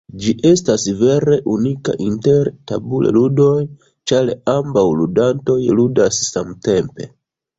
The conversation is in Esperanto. Ĝi estas vere unika inter tabulludoj, ĉar ambaŭ ludantoj ludas samtempe.